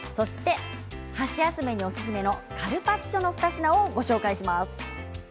箸休めにおすすめのカルパッチョの２品をご紹介します。